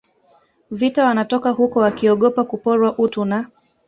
vita wanatoka huko wakiogopa kuporwa utu na